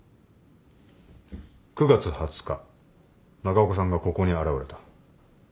９月２０日長岡さんがここに現れた。